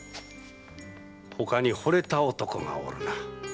他に惚れた男がおるな？